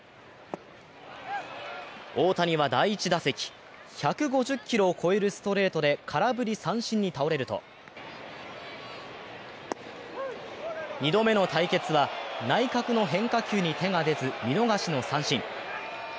大谷は第１打席、１５０キロを超えるストレートで空振り三振に倒れると、２度目の対決は、内角の変化球に手が出ず見逃しの三振。